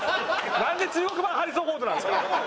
なんで中国版ハリソン・フォードなんですか！